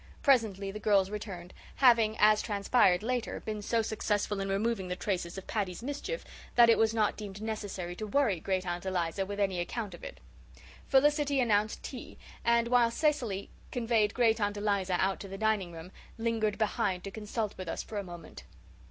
Presently the girls returned, having, as transpired later, been so successful in removing the traces of Paddy's mischief that it was not deemed necessary to worry Great aunt Eliza with any account of it. Felicity announced tea and, while Cecily conveyed Great aunt Eliza out to the dining room, lingered behind to consult with us for a moment.